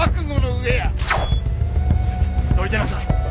登勢どいてなさい。